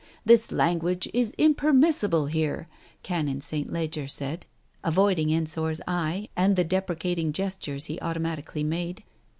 This language is impermissible here," Canon St. Leger said, avoiding Ensor's eye and the deprecating gestures he automatically made.